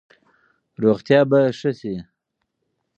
روغتیا به ښه شي.